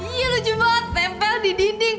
iya lucu banget nempel di dinding